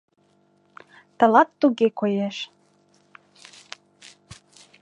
Тылат туге коеш.